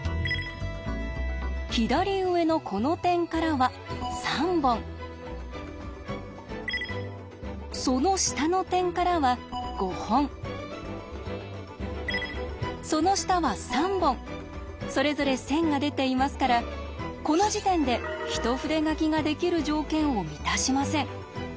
左上のこの点からは３本その下の点からは５本その下は３本それぞれ線が出ていますからこの時点で一筆書きができる条件を満たしません。